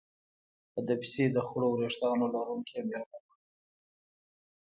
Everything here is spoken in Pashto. په ده پسې د خړو ورېښتانو لرونکې مېرمن ورغله.